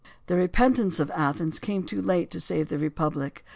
... The repentance of the Athenians came too late to save the Republic.